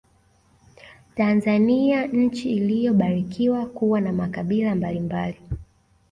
Tanzania nchi iliyobarikiwa kuwa na makabila mbalimbali